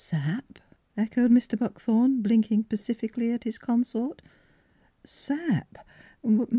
"Sap?" echoed Mr. Buckthorn, blink ing pacifically at his consort. " Sap?